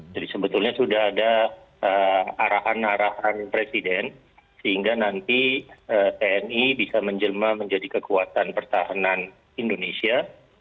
jadi sebetulnya sudah ada arahan arahan presiden sehingga nanti tni bisa menjelma menjadi kekuatan pertahanan indonesia